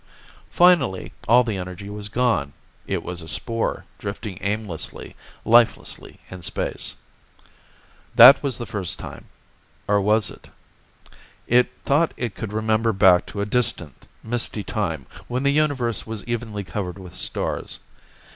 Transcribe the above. Finally, all the energy was gone. It was a spore, drifting aimlessly, lifelessly, in space. That was the first time. Or was it? It thought it could remember back to a distant, misty time when the Universe was evenly covered with stars.